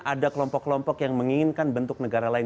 ada kelompok kelompok yang menginginkan bentuk negara lain